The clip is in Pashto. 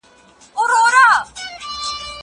زه به سبا زده کړه وکړم!